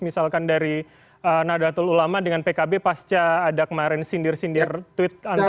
misalkan dari nadatul ulama dengan pkb pasca ada kemarin sindir sindir tweet